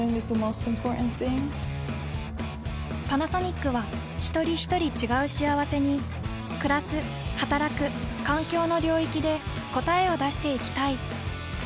パナソニックはひとりひとり違う幸せにくらすはたらく環境の領域で答えを出していきたい。